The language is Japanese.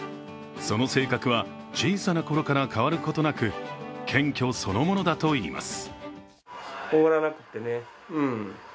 その性格は小さな頃から変わることなく、謙虚そのものだといいます。